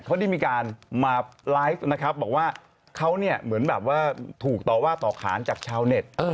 เขาได้มีการมาไลฟ์นะครับบอกว่าเขาเนี่ยเหมือนแบบว่าถูกต่อว่าต่อขานจากชาวเน็ต